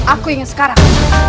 aku ingin sekarang